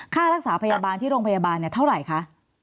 ค่ารักษาพยาบาลเท่าไหร่คะ